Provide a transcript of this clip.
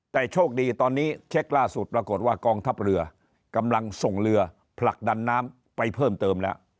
แต่โชคดีตอนนี้เช็คล่าสุดปรากฏว่ากองทัพเรือกำลังส่งเรือผลักดันน้ำไปเพิ่มเติมแล้ว